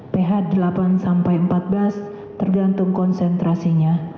ph delapan sampai empat belas tergantung konsentrasinya